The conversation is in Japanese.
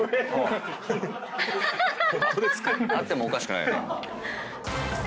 あってもおかしくないよね。